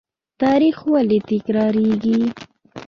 تاریخ ولې تکراریږي؟